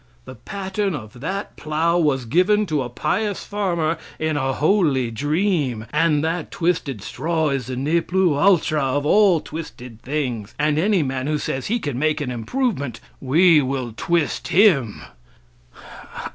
The pattern of that plow was given to a pious farmer in a holy dream, and that twisted straw is the ne plus ultra of all twisted things; and any man who says he can make an improvement, we will twist him."